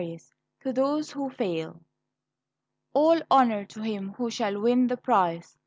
To Those Who Fail "All honor to him who shall win the prize!"